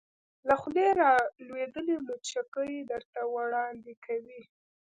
له خولې را لویدلې مچکې درته وړاندې کوې